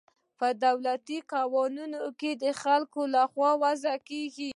په دې دولتونو کې قوانین د خلکو له خوا وضع کیږي.